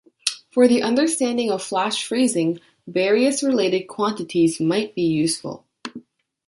For the understanding of Flash freezing, various related quantities might be useful.